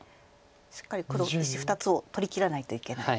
しっかり黒石２つを取りきらないといけないですね。